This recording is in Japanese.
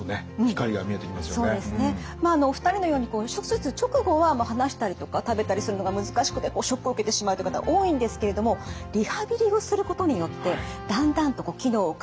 お二人のように手術直後は話したりとか食べたりするのが難しくてショックを受けてしまうという方多いんですけれどもリハビリをすることによってだんだんと機能を回復するという方が多いそうなんです。